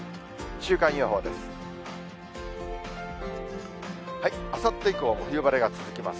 週間予報です。